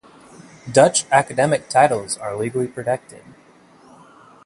Dutch academic titles are legally protected.